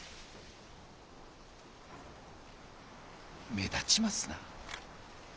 目立ちますな。